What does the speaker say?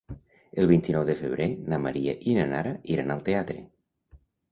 El vint-i-nou de febrer na Maria i na Nara iran al teatre.